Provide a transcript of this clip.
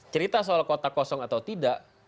cerita soal kota kosong atau tidak